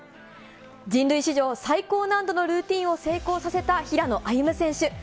人類史上最高難度のルーティンを成功させた平野歩夢選手。